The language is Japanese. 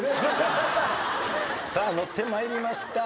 さあ乗ってまいりました。